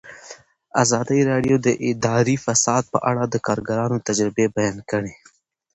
ازادي راډیو د اداري فساد په اړه د کارګرانو تجربې بیان کړي.